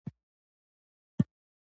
سیده درېدل : که چېرې تاسې سیده ولاړ اوسئ